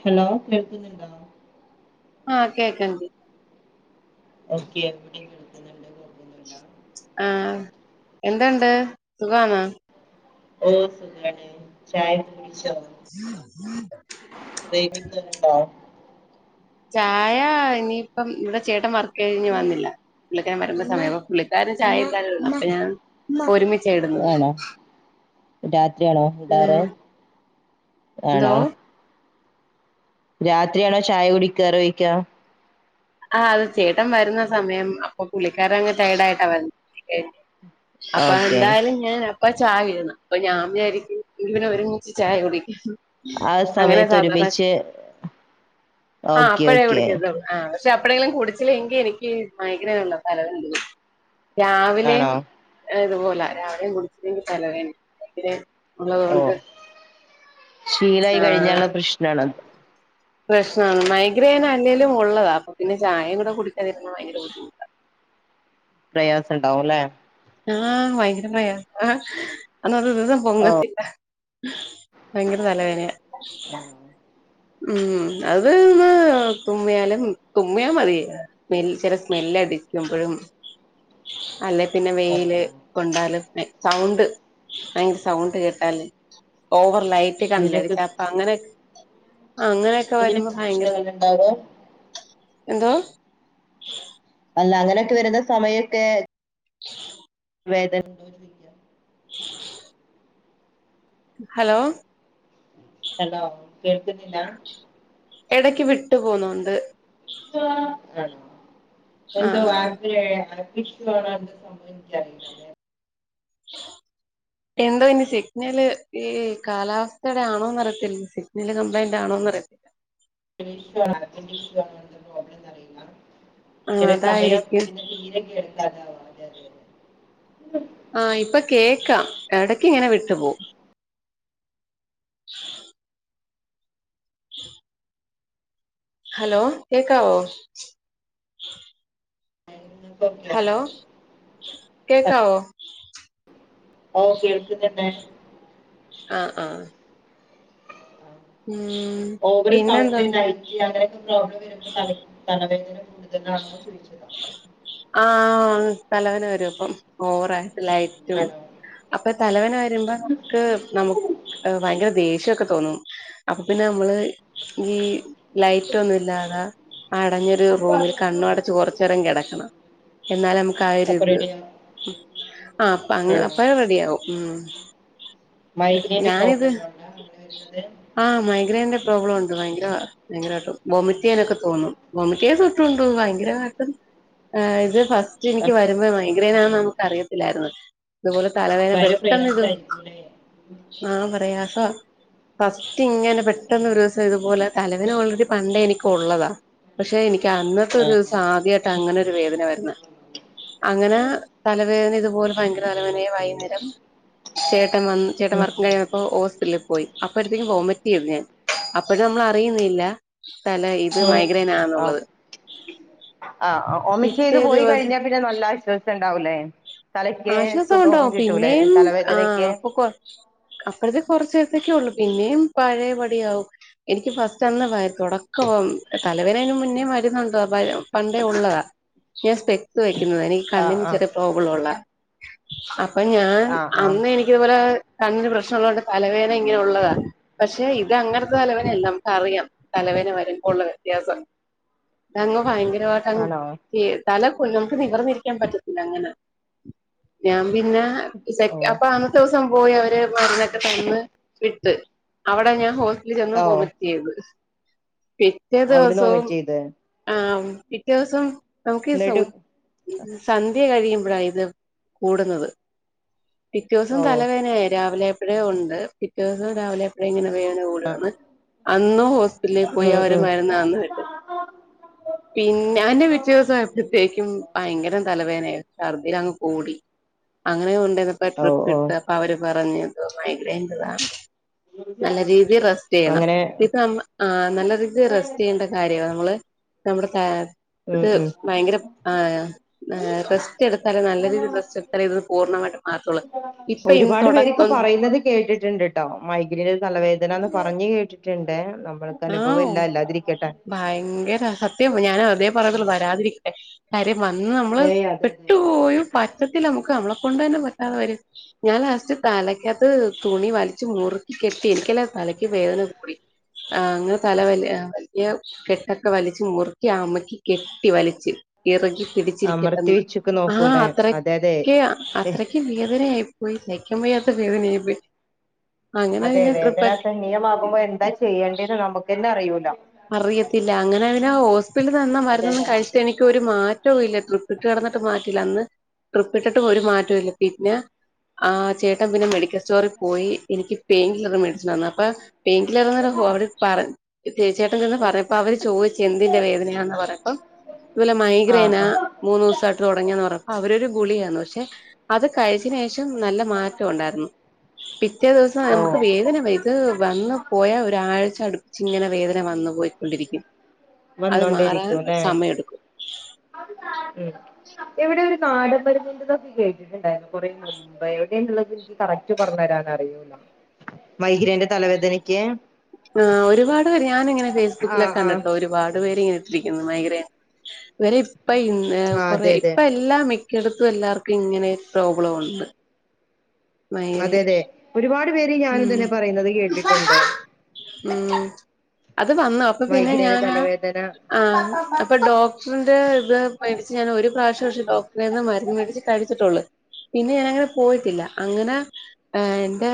Hello കേൾക്കുന്നുണ്ടോ? ആഹ് കേൾക്കാം കെ ഓക്കെ അവ്ടിം കി ആഹ് എന്തൊണ്ട് സുഖവാന്നോ ഓഹ് സുഖായിട്ടിരിക്കുന്നു ചായൊക്കെ കുടിച്ചോ [inaudible] പ്രേമിക്ക്ണ് ണ്ടോ ചായ ഇനിയിപ്പം ഇവിടെ ചേട്ടൻ വർക്ക് കഴിഞ്ഞ് വന്നില്ല. പുള്ളിക്കാരൻ വരുമ്പോ സമയാവും അപ്പ പുള്ളിക്കാരന് ചായെന്തായാലും ഇടണം അപ്പോ ഞാൻ ഒരുമിച്ചാ ഇടുന്നത് ആണോ രാത്രിയാണോ ഉം ഇടാറ് എന്തോ ആണോ രാത്രിയാണോ ചായ കുടിക്കാറ് ഓയ്ക്ക്യാ ആഹ് അത് ചേട്ടൻ വരുന്ന സമയം അപ്പൊ പുളിക്കാരൻ അങ്ങ് ട്ടയേഡായിട്ടാ വരുന്നെ എ അപ്പൊ അഹ് ഓക്കെ എന്തായാലും. ഞൻ അപ്പ ചായ ഇടണം അപ്പൊ ഞാ വിജാരിക്കും എങ്കി പിന്നെ ഒരുമിച്ച് ചായ കുടിക്ക്യാന്ന്. ആഹ് ആ അങ്ങനെ സമയത്ത് സാധാര്ണെ ഒരുമിച്ച് ആഹ് ഓക്കെ അപ്പഴാ ഓക്കെ കുടിക്ക്ണ്ടാവാ. ആഹ് പക്ഷെ അപ്പഴേങ്കിലും കുടിച്ചില്ലെങ്കി എനിക്ക് മൈഗ്രേൻഉണ്ട് തലവേദന പിടിക്കും രാവിലെയും ആണോ ഇതുപോലാ രാവിലെയും കുടിച്ചില്ലെങ്കി തലവേനയാ എങ്കിലെ. എനിക്ക് ഓ അതോണ്ട് ശീലായി കഴിഞ്ഞാള്ള പ്രശ്നാണത്. പ്രശ്നാണ് മൈഗ്രൈൻ അല്ലേലും ഉള്ളതാ അപ്പൊ പിന്നെ ചായേം കൂടെ കുടിക്കാതിരുന്നാ ഭയങ്കര ബുദ്ധിമു പ്രയാസംണ്ടാവും ല്ലെ അഹ് ആഹ് ഭയങ്കര പ്രയാസവാ അന്നത്തെ ദിവസം ഓ പൊങ്ങത്തില്ല. ബൈങ്കര തലവേനയാ. ആണോ ഉം അത് ഒന്ന് തുമ്മിയാലും തുമ്മിയാ മതി ആഹ് സ്മെൽ ചെല സ്മെല്ല് അടിക്കുമ്പോഴും അല്ലെ പിന്നെ ഓ വെയ്ല്. ഓ കൊണ്ടാലൊക്കെ സൗണ്ട് ഭയങ്കര സൗണ്ട് കേട്ടാല് ഓവർ ലൈ റ്റ് അങ്ങനെയൊക്കെ കണ്ണിലടിച്ചാ അപ്പ അങ്ങനെക്ക് ആഹ് അങ്ങനെ വരുമ്പോ ഇതിനൊക്കെ ഭയങ്കര പ്രശ്നങ്ങള് ഇണ്ടാവോ എന്തോ. അല്ല അങ്ങനെഒക്കെ വെരുന്ന സമയൊക്കേ വേദന ഇണ്ടോന്ന് [inaudible] ഹലോ. ഹലോ കേൾക്ക്ന്നില്ലാ എടക്ക് വിട്ടു പോവുന്നുണ്ട്. സുഖവാണ് ആണോ ആ എന്തുവാ. [unintelligible] വിഷ്ണു വരാണ്ട് സംഭവം ഇൻക്കറിയില്ല [inaudible] എന്തോ ഇനി സിഗ്നല് ഈ കാലാവസ്ഥയുടെ ആണോന്ന് അറിയത്തില്ല സിഗ്നല് കംപ്ലൈന്റ് ആണോന്ന് അറിയത്തില്ലാ [unintelligible] എന്താ പ്രോബ്ലം എന്താ അറിയില്ല ആ ചെലെ സമയം അതായിരിക്കും പിന്നെ തീരെ കേൾക്കാതാവാ ആഹ് ഇപ്പൊ കേക്കാം എടക്ക് ഇങ്ങനെ വിട്ടു പോവും [inaudible] ഹലോ കേക്കാവോ ഓക്കെ ആണോ ഹലോ കേക്കാവോ ഓഹ് കേൾക്ക്ന്ന്ണ്ട് ആഹ്, ആഹ് ഉം ഓവർ സൗണ്ട്, പിന്നെന്തുണ്ട് ലൈറ്റ് അങ്ങനെയൊക്കെ പ്രോബ്ലം വരുമ്പല തലവേദന കൂടുതലാണോ? ചോദിച്ചത്. ആഹ്, തലവേന വരും പ്പം. ഓവറയിട്ട് ലൈറ്റും. ആണോ അപ്പൊ, തലവേന വരുമ്പോ മുക്ക് നമുക്ക് ഭയങ്കര ദേഷ്യൊക്കെ തോന്നും. അപ്പൊ, പിന്നെ നമ്മള് ഈ. ലൈറ്റൊന്നുല്ലാത, അടഞ്ഞൊരു റൂമിൽ കണ്ണു അടച്ച് കൊറചേരം കെടക്കണം. എന്നാലെ മ്മക്ക് ആഹ്, അപ്പൊ ഒരിത്. റെഡിയാ ആണോ റെഡിയാവും മ് മൈഗ്രെയിന്റെ ഞാനിത്. പ്രോബ്ലം ഉണ്ടോ ഉണ്ടോ അങ്ങനെ വരുന്നത് ആഹ്, മൈഗ്രൈൻന്റെ പ്രോബ്ലം ഉണ്ട്. ഭയങ്കര ഭയങ്കരമായിട്ട് ബോമിറ്റെ യ്യാനൊക്കെ തോന്നും ബോമിറ്റ ചെയ്യ തോ. ണ്ടോ ഭയങ്കരമായിട് ഇത് ഫസ്റ്റ് എനിക്ക് വരുമ്പോ, മൈഗ്രെൻ ആന്ന് നമുക്ക് അറിയത്തില്ലായിരുന്നു. തുപോലെ തലവേന ഭയങ്കര പെട്ടെന്ന് ഇതും പ്രയാസമായിരിക്കും അല്ലേ ആഹ്, പ്രയാസ. ഫസ്റ്റ് ഇങ്ങനെ പെട്ടെന്ന് ഒരു ദിവസം സ ഇതു പോലെ തലവേന ഓൾ റെഡി പണ്ടെ നിക്ക ഉള്ളതാ, പക്ഷേ, എനിക്ക് അന്നത്തെ ആ ആ ഒരുസം ആധ്യായിട്ട ങ്ങനെ ഒരു വേദന വരുന്നെ. അങ്ങന, തലവേദന ഇതുപോലെ ഭയങ്കര തലവേദനായി. വൈന്നേരം ചേട്ടൻ വന്ന്. ചേട്ടൻ ഉം, വർക്ക കൈഞ്ഞന്നപ്പോ, ഹോസ്പിറ്റലി പോയി. അപ്പോഴത്തേക്കും വോമിറ്റ് ചെയ്യും ഞാൻ. അപ്പോഴും നമ്മൾ അറിയുന്നില്ല തല ഈ ഓ, ആഹ്, അഹ്, ആഹ്, ആഹ് പിറ്റേ ഒമിറ്റെയ്ത് പോയി കഴിഞ ദിവസം പി ന്നെ നല്ല ആശ്വാസം ണ്ടാവൂലേ? ആശ്വാസം ഉണ്ടാവും, പിന്നെയും ആഹ് തലവേദനക്ക് അപ്പൊ കൊർ അപ്പഴത്തെേ കുറച്ച നേരത്തേക്കെ, ള്ളു പിന്നെയും പഴയ പടിയാവും. എനിക്ക് ഫസ്റ്റ് അന്ന് വ തുടക്കം തലവേദന അയ്ന് മുന്നേ വരുന്നുണ്ട് പണ്ടേ ഉള്ളതാ. ഞാൻ സ്പെക്സ് വെക്കുന്നത, നിക്ക് ആ കണ്ണിന് ആ ചെറിയ പ്രോബ്ലം ഉള്ള അപ്പൊ, ഞാൻ ആ ആ അന്ന് എനിക്കതുപോലെ കണ്ണിന് പ്രശ്നംള്ളോണ്ട്, തലവേന ങ്ങനെ ഉള്ളതാ. പക്ഷെ, ഇത് അങ്ങനത്തെ തലവനെ ല്ലാ.. നമ്മക്ക് അറിയാം. തലവേന വരുമ്പൊ ള്ള വ്യത്യാസം. ഇതങ്ങ് ഭയങ്കരമായിട്ട്, ആണോ അങ്ങ് തല കു നമുക്ക് നിവർന്നിരിക്കാൻ പറ്റത്തില്ല. അങ്ങനെ ഞാൻ പിന്നെ, സെ ഓ അപ്പൊ അന്നത്തെ ദിവസം പോയ അവര്. മരുന്നൊക്കെ തന്ന് വിട്ട്. അവിടെ ഞാൻ ഹോസ്റ്റലിൽ ചെന്ന് ഓ പോ ത് പിറ്റേ അവിടുന്ന് ദിവസവും വൊമിറ്റ് ചെയ്ത് ആഹ്.. പിറ്റേ ദിവസം നമുക്ക് സൗ എന്നിട്ട് സന്ധ്യ കഴിയുമ്പോഴ ഇത്. കൂടുന്നത്. പിറ്റോസം ഓ തലവേനയായി രാവിലെ പഴ ഉണ്ട് പിറ്റേ ദിവസം രാവിലെ ങ്ങനെ വേദന കൂട ന്ന്, അന്നു ഹോസ്പിറ്റലിൽ പോയി. ഉം അവര് ഉം മരുന്ന് തന്ന് വിട്ട്. പിന്നെ, അയ്ന്റെ പിറ്റ ദിവസം അയപോഴത്തേക്കും ഭയങ്കര തലവേനയായി ഛർദിയങ്ങ് കൂടി, അങ്ങനെ കൊണ്ട ന്ന്പ്പൊ ഓ ട്രിപ്പ് ഓ ഇട്ട് അപ്പൊ അവര് പറഞ് മൈഗ്രന്റതാണ്. നല്ല രീതി റസ്റ്റെയ്യണം. അങ്ങനെ ഇപ്പ നല്ല രീതി റെസ്റ്റ് ചെയ്യണ്ട കാര്യോ നമ്മള് നമ്മുടെ ത ഉം ത് ഉം ഭയങ്കര ആഹ്, റെസ്റ്റ് എട്ത്താല നല്ല റസ്റ്റെട്താലെ ഇത് പൂർണ്ണമായിട്ട് മാറത്തു ള്ളൂ. ഇപ്പൊ ഇ തുടക്കം ണ്ടൊ മൈഗ്രീൻ ഒരു തലവേദനന്ന് പറഞ്ഞഞ് കേട്ടിട്ടു ണ്ട്. നമ്മൾക്ക് ആ അനുഭവം ഇല്ല ല്ലാതിരിക്കട്ടെ? ഭയങ്കര സത്യം, ഞാൻ അതേ പറയുന്നുള്ള വരാതിരിക്കട്ടെ, കാര്യം വന്ന് നമ്മള് ഏയ് അതെ അതെ ട്ടു പോ പറ്റത്തില്ല. നമുക്ക് നമ്മളെ കൊണ്ട് തന്നെ പറ്റാതെ വരും. ഞാൻ, ലാസ്റ്റ് തലക്കത് തുണി വലിച്ച് മുറുക്കി കെട്ടി. ഇരിക്കല തലയ്ക്ക് വേദന കൂടി. ആഹ്, അങ്ങനെ തല വല വല്യ കെട്ടൊക്കെ വലിച്ച് മുറുക്കി ആമക്കി കെട്ടി വലിച്ച് ഇറകി അമർത്തി പിടിച്ചിരിക്കട്ടെന്ന് വെച്ചൊക്കെ ആഹ് നോക്കൂലേ അതെ അത്രക്കെ അ അതെ അത്രക്ക് വേദനയായി പോയി സയ്ക്കാൻ വയ്യാത്ത വേദനയായി പോയി അങ്ങനെ അതെ പിന്നെ വേദന ട്രിപ്പ് സഹനീയമാകുമ്പോ എന്താ ചെയ്യേണ്ടന്ന് നമുക്കന്നെ അറിയൂല അറിയത്തില്ല അങ്ങനെ പിന്നെ ഹോസ്പിറ്റൽ തന്ന മരുന്നൊന്നും അതെതാ കഴിച്ട്ട് എനിക്കരു മാ റ്റവും ഇല്ല ട്രീപ്പ്ട്ട്കെട്ന്നിട്ട് മാറ്റില്ല അന്ന് ട്രിപ്പ് ഇട്ട്ട്ടും ഒരു മാറ്റൊ ഇല്ല പിന്നെ ആഹ് ചേട്ടൻ പിന്നെ മെഡിക്കൽ സ്റ്റോറിൽ പോയി എനിക്ക് പെയിൻകില്ലറ് ‌ മോടിച്ച് തന്നപ്പോ പേങ്കില്ലറെ നേരം ഹോ വിട്പറ ചേട്ടൻ ചെന്ന് പറഞപ്പൊ അവര് ചോദിച്ച് എന്തിന്റെ വേദനയാന്ന് പറഞപ്പം ഇതുപോലെ ആഹ് മൈഗ്രെനാ ആഹ് മൂന്നൂസായിട്ട് തുടങ്ങിയന്ന് പറഞപ്പോ അവരു ഗുളിക തന്നു പക്ഷെ അത് കഴിച്ചന് ശേഷം നല്ല മാറ്റം ഉണ്ടായിരുന്നു പിറ്റേ ദിവസം ഓ നമുക്ക് വേദന വെരു ത് വന്ന് പോയാ ഒരാഴ്ച അടുപ്പിച്ച് ഇങ്ങനെ വേദന വന്ന് പോയിക്കൊണ്ടിരിക്കും അത് മാറാൻ വന്നോണ്ടിരിക്കൂല്ലേ ഒരുസമയം എടുക്കും ഉം എവിടെഒരു നാടൻ മരുന്നിന്റെതൊക്കെ കേട്ടിട്ടുണ്ടായിരുന്നു കൊറെമു എവിടെന്ന് ള്ളത് ന്ന് നിക്ക് കറക്റ്റ് പറഞ്ഞ് തരാൻ അറിയൂല്ല മൈഗ്രിന്റെ തലവേദനയ്ക്ക് ആഹ് ഒരുപാട് പേര് ഞാൻ ഇങ്ങനെ ആഹ് ഫേസ്ബുക്കിലൊക്കെ ആഹ് കണ്ട്ട്ട ഒരുപാട് പേര് ഇങ്ങനെ രിക്കുന്ന് മൈഗ്രൻ ഇവരെ ഇപ്പയി ന്ന് ഏ ആഹ് കൊറെ അതെ അതെ ഇപ്പ എല്ല ല്ലാ മിക്കടെത്തും എല്ലാർക്കും ങ്ങിനെ പ്രോബ്ലം ഒണ്ട് മൈഗ്രൈൻ അതെ അതെ ഒരുപാട് പേര് ഞാൻ ഇത്‌ന്നെ പറയുന്നത് കേട്ടിട്ട്ണ്ട് ഉം അത് വന്നു അപ്പൊ പിന്നെ മൈഗ്രേന് ഞാനാ തലവേദന ആഹ് അപ്പൊ ഡോക്ടറിന്റെ ത് മേടിച്ച് ഞാൻ ഒരു പ്രാവശ്യം പക്ഷഡോക്ടറെന്ന് മരുന്ന് മേടിച്ച് കഴിച്ചിട്ടുള്ള് പിന്നെ ഞാനങ്ങനെ പോയിട്ടില്ല അങ്ങനെ ഏഹ് എന്റെ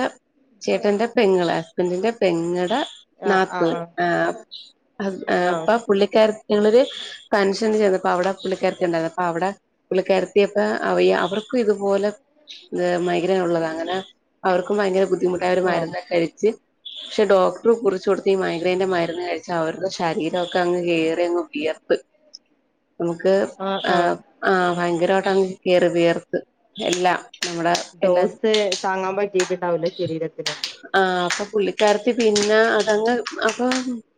ചേട്ടന്റെ പെങ്ങളെ ഹസ്ബന്റിന്റെ പെങ്ങടെ നാത്തൂൻ ആഹ് ഹസ്ബ് ആഹ് അപ്പ പുള്ളിക്കാരത്തി ങ്ങളൊര് - പെൻഷൻ ചെയ്തപ്പോ അവടെ പുള്ളിക്കാരത്തി ഉണ്ടായിരുന്നു അപ്പൊ അവടെ പുള്ളിക്കാരത്തി പ്പ അവയ അവർക്കും ഇതുപോലെ ത് മൈഗ്രൈൻ ഒള്ളതാ അങ്ങനെ അവർക്കും ഭയങ്കര ബുദ്ധിമുട്ടായര് അവര് ഓ മരുന്ന് ക്കെകയിച്ച് ക്ഷെ ഡോക്ടറ് കുറിച്ച് കൊടുത്ത ഈ മൈഗ്രിന്റെ മരുന്ന് കയിച്ചാ അവർടെ ശരീര ഒക്കെ അങ്ങ് കേറിയങ്ങ് വിയർത്ത് നമുക്ക് ആഹ് ആഹ് ഭയങ്കരമായിട്ടങ് കേറി വിയർത്ത് എല്ലാ നമ്മുടെ ഡോസ് താങ്ങാൻ പറ്റീട്ട്ണ്ടാവ് ല ശരീരത്തിന് ആഹ് അപ്പൊ പുള്ളിക്കാരത്തി പിന്നെ അതങ്ങ് അപ്പൊ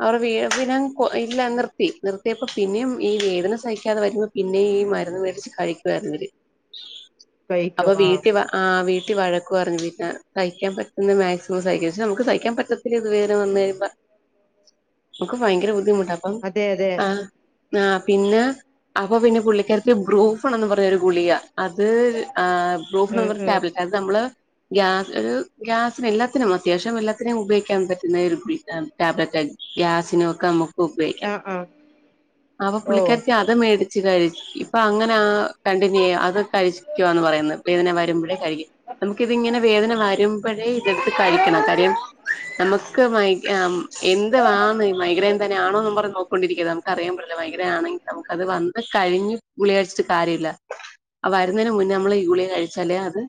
അവർ വി പിന്നെ കൊ ഇല്ലാ അങ്ങർ നിത്തി നിർത്തിയപ്പ പിന്നെയും ഈ വേദന സഹിക്കാതെ വരുമ്പോ പിന്നെയും ഈ മരുന്ന് മേടിച്ച് കഴിക്കുവായിരുന്ന് ഇവര് അപ്പൊ കഴിക്കും ആ വീട്ടിവ ആഹ് വീട്ടിൽ വഴക്ക് പറഞ് എഹ് കഴിക്കാൻ പ ഇന്ന് മാക്സിമം സഹിക്ക പക്ഷെ നമുക്ക് സഹിക്കാൻ പറ്റത്തില്ല ഇത് വേദന വന്ന് കഴിയ്മ്പ മക്കും ഭയങ്കര ബുദ്ധിമുട്ടാ അപ്പം അതെ അതെ ആഹ് ആഹ് പിന്നെ അപ്പൊ പിന്നെ പുള്ളിക്കാര്ത്തി ബ്രൂഫാണെന്നും പറഞ് ഒരു ഗുളിക അത് ആഹ് ഉം ബ്രൂഫ്ന്ന്ള്ളൊരു ഉം ടാബ്‌ലറ്റാ അത് നമ്മള് ഗ്യാത് രു ഗ്യാസിന് എല്ലാത്തിനും അത്യാവശ്യം എല്ലാത്തിനും ഉപയോഗിക്കാൻ പറ്റുന്ന ഒരു ടാബ് ടാബ്ലറ്റാ ഗ്യാസിനും ഒക്കെ മക്ക് ഉപയോഗിക്കാം ആ ആ അപ്പൊ ഓ പുള്ളിക്കാരത്തി അത് മേടിച്ച് കഴി ഇപ്പൊ അങ്ങനെ ആഹ് കണ്ടിന്യൂയാ അത് കഴിച് ക്കുവാന്ന് പറയുന്ന് വേദന വരുബഴ് കഴിക്കും നമ്മുക്ക് ഇത് ഇങ്ങനെ വേദന വരും അപഴേ ഇതെടുത്ത് കഴിക്കണം കാര്യം നമുക്ക് മൈഗ് ആഹ് ഉം എന്തു വാന്ന് മൈഗ്രേൻ തന്നൊണോന്നും പറഞ് നോക്കോണ്ടിരിക്കരുതം അറിയാം പാടില്ല ഭയങ്കര ആണെങ്കി നമുക്ക് അത് വന്ന് കഴിഞ് ഗുളിക കഴിച്ചിട്ട് കാര്യല്ല അത്‌ വരുന്നെന് മുന്നേ നമ്മള് ഈ ഗുളിക കഴിച്ചാലേ അത്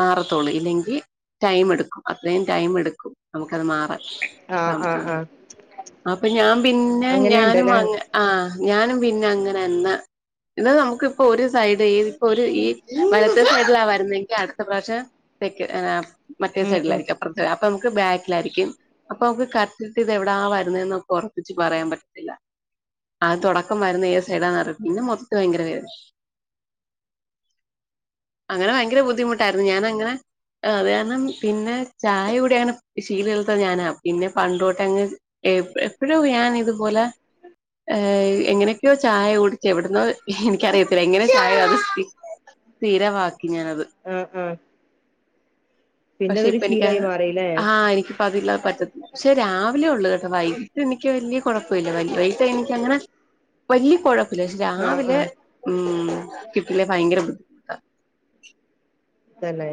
മാറത്തൊള്ളൂ ഇല്ലെങ്കി ടൈമ് എടുക്കും അത്രയും ടൈമ് എടുക്കും നമുക്ക അത് മാറാൻ ആ അപ്പ ഞാൻ പിന്നെ ഞാനും അങ്ങനെയുണ്ടല്ലേ വാങ്ങ ആ ഞാനും പിന്നെ അങ്ങന എന്ന ഇത് നമുക്ക് ഇപ്പൊ ഒരു സൈഡ് ഈ ഇപ്പൊ ഒരു ഈ വലത്തെ സൈഡിലാ വരുന്നങ്കി അടുത്ത പ്രാവശ്യം ആ മറ്റേ ഉം ഉം സൈഡിലായിരിക്കും അപ്പർത്തെ അപ്പം നമുക്ക് ബെക്കിലായിരിക്കും അപ്പ നമുക്ക് കറക്ട് ഇത് എവടാ വരുന്നെന്ന് ഒറപ്പിച്ച് പറയാം പറ്റത്തില്ല അത് തൊടക്കം വരുന്ന ഏത് സൈഡാന്ന് പിന്നെ മൊത്തം ഭയങ്കര വേദന അങ്ങനെ ഭയങ്കര ബുദ്ധിമുട്ടായിരുന്നു ഞാന അങ്ങനെ അത് ഞാൻ കാരണം പിന്നെ ചായ കുടി അങ്ങനെ ശീലൽത്ത ഞാനാ പിന്നെ പണ്ടോട്ടെ അങ്ങ് എ എപ്പയൊ ഞാന് ഇതുപോല എങ്ങനെക്കെയോ ചായ കുടിച് എവ്ട്ന്നോ എനിക്കറിയത്തില്ല എങ്ങനെ ചായ [unintelligible] സ്ഥിരവാക്കി ഞാനത് ആ ആ പിന്നെ പക്ഷെ അതൊരു ഇപ്പ എനിക്ക് ശീലായി മാറില്ലേ ആ എനിക്കിപ്പ അതില്ലാതെ പറ്റത്തി പക്ഷെ രാവിലെ ഒള്ളു കേട്ടോ വൈകിട്ട് എനിക്ക് വല്ല്യ കോഴപ്പല്ല വൈ വൈകിട്ട് എനിക്ക് അങ്ങനെ വല്ല്യ കോഴ പക്ഷെ ആ രാവിലെ ആ ഉം കിട്ടില്ലെ ഭയങ്കര ബുദ്ധിമുട്ട തെ ലെ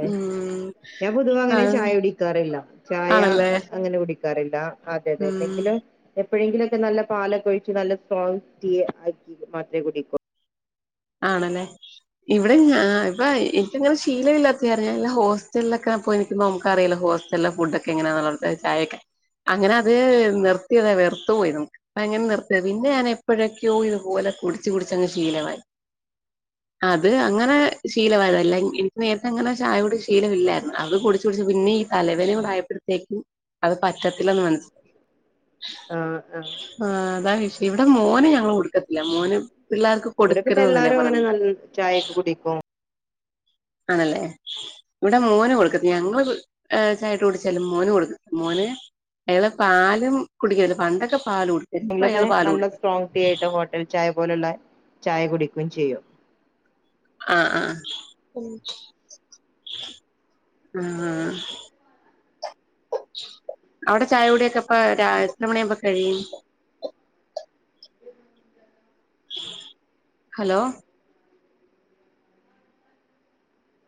ഞാൻ പൊതുവ അങ്ങനെ ആഹ് ചായ കുടിക്കാറില്ല ചായ ആണല്ലേ അങ്ങനെ കുടി ക്കാറില്ല അതെ അതെ ഉം എന്തെങ്കിലും എപ്പഴെങ്കിലൊക്കെ നല്ല പാലക്കൊഴിച്ച് നല്ല സ്ടോങ് ടീ ആക്കി മാത്രെ കുടിക്കു ആണല്ലെ ഇവടെ ഞ്ഞാ ഇപ്പൊ എൻക്ക് ഇങ്ങനെ ശീലം ഇല്ലാത്ത അറിഞ്ഞല്ല ഹോസ്റ്റൽലൊക്ക പോയി നമുക്ക അറിയാലോ ഹോസ്റ്റൽലെ ഫുഡ് ഒക്കെ എങ്ങനാള്ള ചായക്കെ അങ്ങന അത് നിർത്തിയതാ വെർത്തു പോയി നമുക്ക് അങ്ങനെ നിർത്തിത് പിന്നെ ഞാന് എപ്പഴൊക്കെയോ ഇതുപോലെ കുടിച്ച് കുടിച്ച് അങ്ങ് ശീലമായി അത് അങ്ങനെ ശീലമായതല്ല ഇൻക്ക് നേര്ത്തെ അങ്ങനെ ചായോട് ശീലമില്ലായിരുന്നു അത് കുടിച്ച് കുടിച്ച് പിന്നി തലവേദനയും കൂട ആയപ്പഴത്തേക്കും അത് പറ്റത്തില്ലന്ന് മനസ്സി ആ ആ ആ അതാ വിഷയം ഇവട മോന് ഞങ്ങള് കൊടുക്കത്തില്ല മോന് പിള്ളേർക്ക് കൊട് ഇവട എല്ലാരും അങ്ങനെ നൽ ചായക്ക കുടിക്കും ആണല്ലേ ഇവട മോന് കൊടുക്കത്തില്ല ഞങ്ങള് ചായ ഇട്ട് കുടിച്ചാലും മോന് കൊടുക്കത്തില്ല മോന് അയാള് പാലും കുടിക്കില്ല പണ്ടൊക്ക പാല് കുടി ഇള്ളത് നല്ല സ്ട്രോങ് ടീ ആയിട്ട് ഹോട്ടൽ ചായ പോലുള്ള ചായ കുടിക്കും ചെയ്യും ആ ആ ആ അവ്ട ചായ കുടിയൊക്കെ ഇപ്പ രാ എത്ര മണി ആവുമ്പ കഴിയും ഹലോ